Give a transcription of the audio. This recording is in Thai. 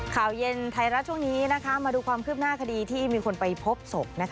ข่าวเย็นไทยรัฐช่วงนี้มาดูความคืบหน้าคดีที่มีคนไปพบศพ